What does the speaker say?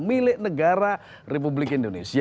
milik negara republik indonesia